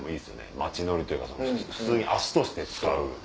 街乗りというか足として使う。